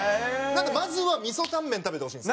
なのでまずは味噌タンメン食べてほしいんです。